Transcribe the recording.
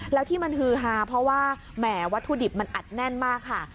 แล้วที่มันฮือฮาเพราะว่าแหมวัตถุดิบมันอัดแน่นมากค่ะ